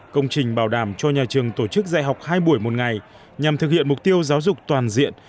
công trình bảo đảm cho nhà trường tổ chức dạy học hai buổi một ngày nhằm thực hiện mục tiêu giáo dục toàn diện